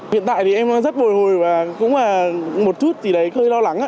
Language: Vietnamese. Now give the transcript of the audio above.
hiện tại thì em rất bồi hồi và cũng là một chút gì đấy hơi lo lắng